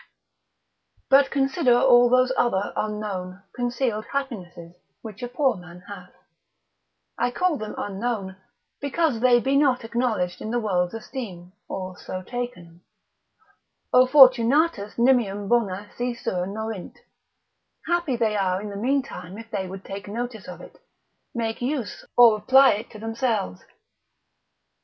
But consider all those other unknown, concealed happinesses, which a poor man hath (I call them unknown, because they be not acknowledged in the world's esteem, or so taken) O fortunatos nimium bona si sua norint: happy they are in the meantime if they would take notice of it, make use, or apply it to themselves.